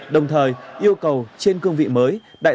đồng thời yêu cầu trên cương vị mới